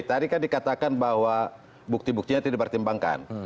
tadi kan dikatakan bahwa bukti buktinya tidak dipertimbangkan